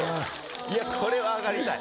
いやこれは上がりたい。